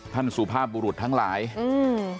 ท่านสู่ภาพบูรุษทั้งหลายอืม